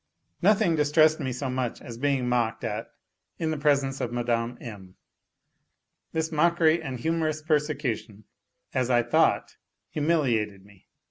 Nothing distressed me so much as being mocked at in the presence of Mme. M. This mockery and humorous persecution, as I thought, humiliated me.